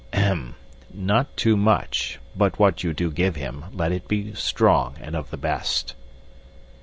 Ahem! Not too much, but what you do give him let it be strong and of the best."